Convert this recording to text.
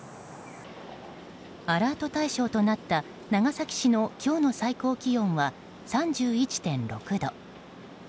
アラート対象となった長崎市の今日の最高気温は３１．６度。